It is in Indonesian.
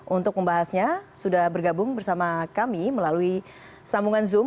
untuk membahasnya sudah bergabung bersama kami melalui sambungan zoom